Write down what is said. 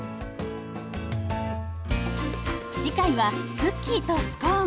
次回はクッキーとスコーン。